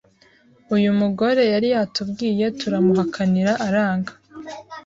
Uyu mugore yari yatubwiye turamuhakanira aranga